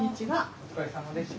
お疲れさまでした。